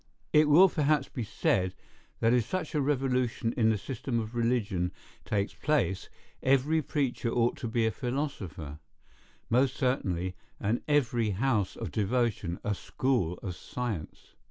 It will perhaps be said, that if such a revolution in the system of religion takes place, every preacher ought to be a philosopher. Most certainly, and every house of devotion a school of science.